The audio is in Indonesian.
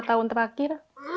lima tahun terakhir